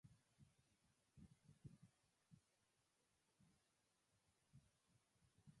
I met him on several occasions and found him without any form of snobbery.